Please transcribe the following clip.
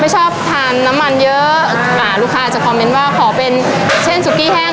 ชอบทานน้ำมันเยอะอ่าลูกค้าอาจจะคอมเมนต์ว่าขอเป็นเช่นสุกี้แห้ง